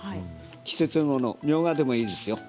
季節物、みょうがでもいいですよ。